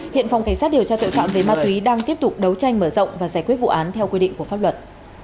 hiện phòng cảnh sát điều tra tội phạm về ma túy đang tiếp tục đấu tranh mở rộng và giải quyết vụ án theo quy định của pháp luật